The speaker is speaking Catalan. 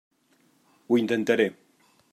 Ho intentaré.